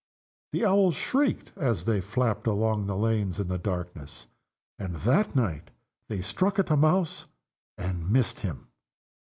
The Owls shrieked as they flapped along the lanes in the darkness, And that night they struck at a mouse and missed him.